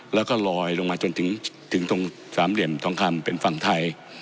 แล้วก็ลอยลงมาจนถึงตรงสามเหลี่ยมทองคำเป็นฝั่งไทย